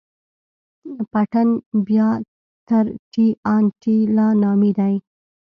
پټن بيا تر ټي ان ټي لا نامي دي.